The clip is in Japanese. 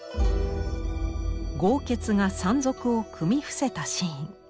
豪傑が山賊を組み伏せたシーン。